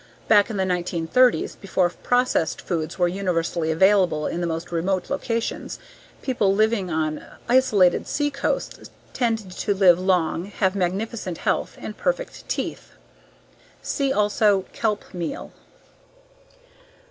Back in the 1930s before processed foods were universally available in the most remote locations people living on isolated sea coasts tended to live long, have magnificent health, and perfect teeth. See also: _Kelp meal.